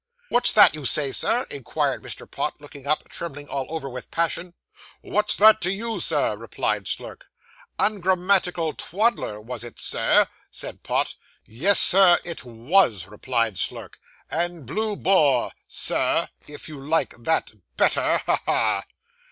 'What's that you said, Sir?' inquired Mr. Pott, looking up, trembling all over with passion. 'What's that to you, sir?' replied Slurk. 'Ungrammatical twaddler, was it, sir?' said Pott. 'Yes, sir, it was,' replied Slurk; 'and blue bore, Sir, if you like that better; ha! ha!